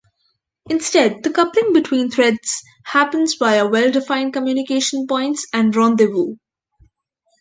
Instead, the coupling between threads happens via well-defined communication points and rendezvous.